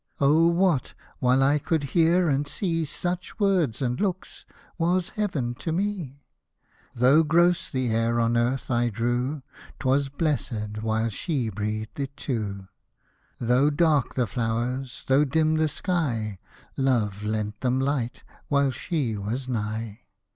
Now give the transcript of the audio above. Oh what, while I could hear and see Such words and looks, was heaven to me ? Hosted by Google LOVE, RELIGION, AND MUSIC 159 Though gross the air on earth I drew, 'Twas blessed, while she breathed it too ; Though dark the flowers, though dim the sky, Love lent them hght, while she was nigh.